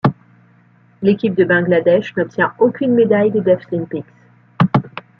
L'équipe de Bangladesh n'obtient aucun médaille des Deaflympics.